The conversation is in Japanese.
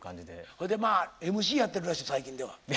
ほいでまあＭＣやってるらしい最近では。